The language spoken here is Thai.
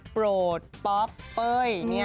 โปรดป๊อปเป้ย